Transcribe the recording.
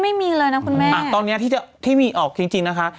ไม่มีเลยนะคุณแม่ตอนนี้ที่มีออกจริงนะคะ